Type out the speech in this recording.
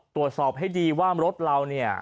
ตรวจสอบให้ดีว่ารถเราเนี่ย